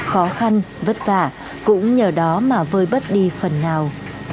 khó khăn vất vả cũng nhờ đó mà vơi bớt đi phần nào